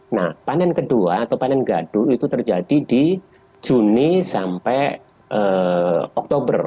nah panen kedua atau panen gadung itu terjadi di juni sampai oktober